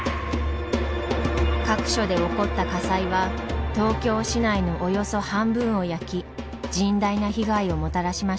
各所で起こった火災は東京市内のおよそ半分を焼き甚大な被害をもたらしました。